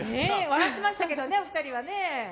笑ってましたけどね、お二人はね。